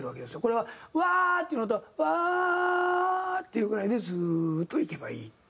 これは「ウワーッ」っていうのと「ワー」っていうぐらいでずーっといけばいい。